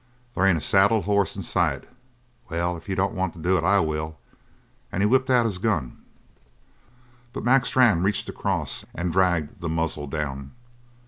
They ain't a saddled hoss in sight. Well, if you don't want to do it, I will!" And he whipped out his gun. But Mac Strann reached across and dragged the muzzle down.